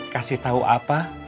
kasih tau apa